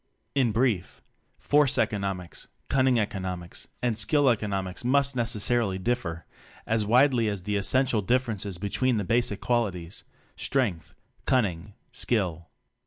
In brief: Force economics, Cunning economics, and Skill economics must necessarily differ as widely as the essential dif ferences between the basic qualities, Strength, Cunning, Skill.